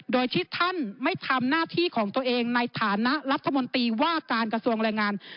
โดยที่ท่านไม่ทำหน้าที่ของตัวเองในฐานะรัฐมนตรีว่าการกระทรวงแรงงาน